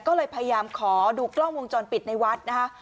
ก็เลยพยายามขอดูกล้องวงจรปิดในวัดนะคะ